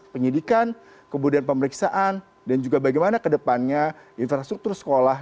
penyidikan kemudian pemeriksaan dan juga bagaimana kedepannya infrastruktur sekolah